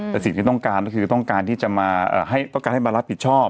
แต่สิ่งที่ต้องการก็คือต้องการให้มารับผิดชอบ